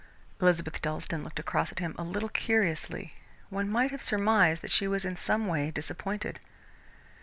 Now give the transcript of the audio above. Elizabeth Dalstan looked across at him a little curiously. One might have surmised that she was in some way disappointed.